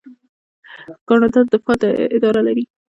کاناډا د دفاع اداره لري.